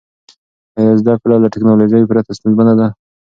آیا زده کړه له ټیکنالوژۍ پرته ستونزمنه ده؟